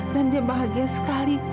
dan dia bahagia sekali